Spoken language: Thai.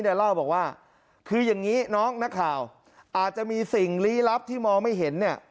เล่าบอกว่าคืออย่างนี้น้องนักข่าวอาจจะมีสิ่งลี้ลับที่มองไม่เห็นเนี่ย